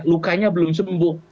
lukanya belum sembuh